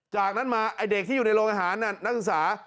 จากนั้นมาไอ้เด็กที่อยู่ในโรงอาหารนักศึกษา